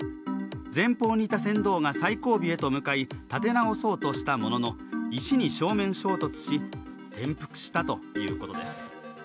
前方にいた船頭が最後尾へと向かい立て直そうとしたものの石に正面衝突し、転覆したということです。